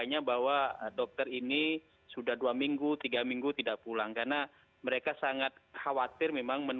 jadi ini sudah hari ke empat belas